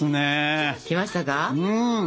うん。